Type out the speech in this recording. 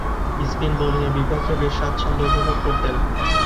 Spin বোলিংয়ের বিপক্ষে বেশ স্বাচ্ছন্দ্য উপভোগ করতেন।